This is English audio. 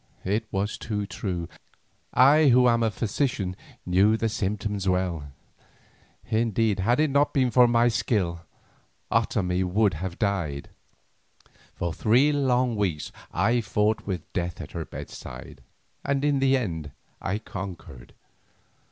It was too true, I who am a physician knew the symptoms well. Indeed had it not been for my skill, Otomie would have died. For three long weeks I fought with death at her bedside, and in the end I conquered.